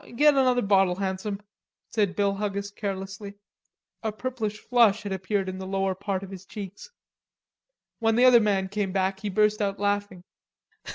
"Get another bottle, Handsome," said Bill Huggis carelessly. A purplish flush had appeared in the lower part of his cheeks. When the other man came back, he burst out laughing.